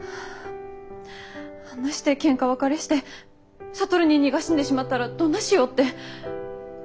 あんなしてケンカ別れして智ニーニーが死んでしまったらどんなしようって。